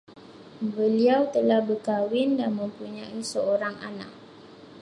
Beliau telah berkahwin dan mempunyai seorang anak